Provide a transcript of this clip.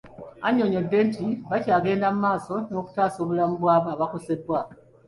Annyonnyodde nti bakyagenda mu maaso n'okutaasa obulamu bw'abo abakoseddwa.